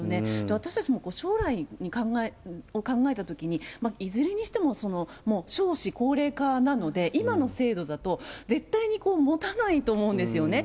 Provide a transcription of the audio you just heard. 私たちも将来を考えたときに、いずれにしても少子高齢化なので、今の制度だと、絶対にもたないと思うんですよね。